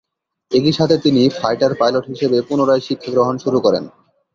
একই সাথে তিনি ফাইটার পাইলট হিসেবে পুনরায় শিক্ষা গ্রহণ শুরু করেন।